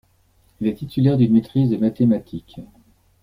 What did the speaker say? Il est titulaire d'une maîtrise de mathématiques.